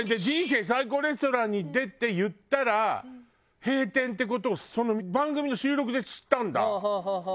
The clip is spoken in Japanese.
『人生最高レストラン』に出て言ったら閉店って事をその番組の収録で知ったんだ。